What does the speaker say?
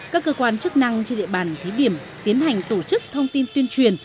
các cơ quan chức năng trên địa bàn thí điểm tiến hành tổ chức thông tin tuyên truyền